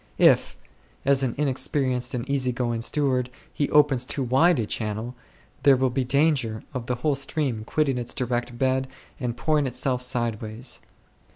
If, as an inexperienced and easy going steward, he opens too wide a channel, there will be danger of the whole stream quitting its direct bed and pouring itself sideways.